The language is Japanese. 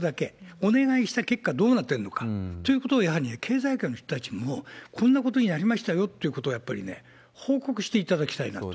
お願いした結果、どうなってるのかということはやはり経済界の人たちも、こんなことになりましたよっていうことを、やっぱりね、報告していただきたいなと。